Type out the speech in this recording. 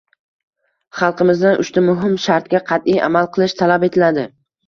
Xalqimizdan uchta muhim shartga qatʼiy amal qilish talab etiladi.